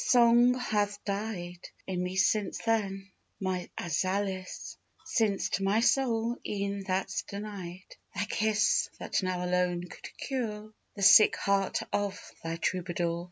Song hath died In me since then, my Azalis; Since to my soul e'en that's denied: Thy kiss, that now alone could cure The sick heart of thy Troubadour.